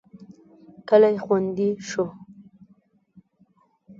کلی خوندي شو.